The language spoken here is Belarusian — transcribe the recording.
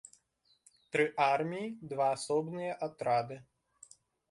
Тры арміі, два асобныя атрады.